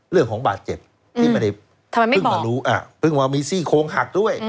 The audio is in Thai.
เรื่องของบาดเจ็บที่ไม่ได้เพิ่งมารู้เพิ่งว่ามีซี่โครงหักด้วย